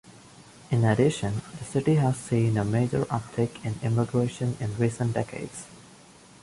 In addition, the city has seen a major uptick in immigration in recent decades.